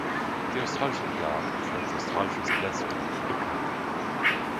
Die australische Unterart ist als Australisches Blässhuhn bekannt.